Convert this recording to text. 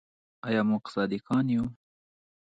آیا موږ صادقان یو؟